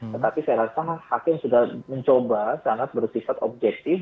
tetapi saya rasa hakim sudah mencoba sangat bersifat objektif